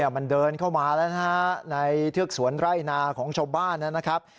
มันเดินเข้ามาแล้วนะฮะในเทือกสวนไร่นาของชาวบ้านนะครับ